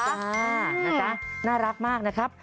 นะคะน่ารักมากนะครับ